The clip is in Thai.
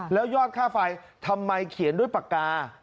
แล้วยอดค่าไฟทำไมเขียนด้วยปากกา